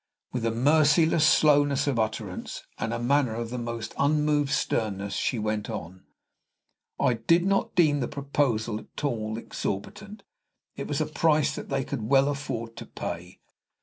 With a merciless slowness of utterance, and a manner of the most unmoved sternness, she went on: "I did not deem the proposal at all exorbitant. It was a price that they could well afford to pay."